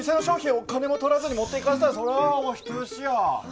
お金も取らずに持っていかせたらそれはお人よしや。